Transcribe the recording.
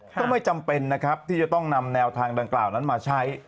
ก็ไม่จำเป็นนะครับที่จะต้องนำแนวทางดังกล่าวนั้นมาใช้